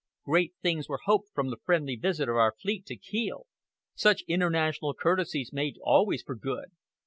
Great things were hoped from the friendly visit of our fleet to Kiel; such international courtesies made always for good.